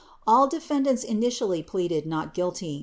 All defend ants initially pleaded not guilty.